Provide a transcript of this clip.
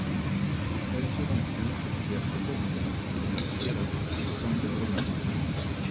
Elle se rencontre vers Cataviña et dans la Sierra de San Pedro Mártir.